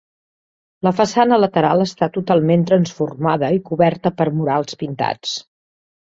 La façana lateral està totalment transformada i coberta per murals pintats.